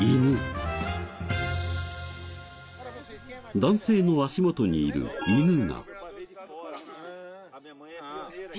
男性の足元にいる犬が。